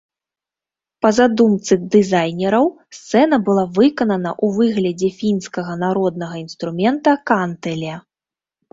Па задумцы дызайнераў, сцэна была выканана ў выглядзе фінскага народнага інструмента кантэле.